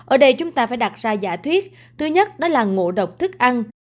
ở đây chúng ta phải đặt ra giả thuyết thứ nhất đó là ngộ độc thức ăn